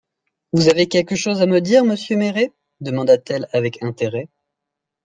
Vous avez quelque chose à me dire, monsieur Méré ? demanda-t-elle avec intérêt.